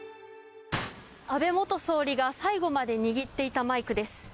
安倍元総理が最後まで握っていたマイクです。